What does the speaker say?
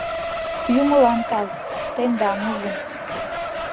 Юмылан тау, тендам ужым.